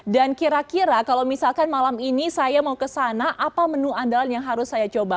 dan kira kira kalau misalkan malam ini saya mau ke sana apa menu andalan yang harus saya coba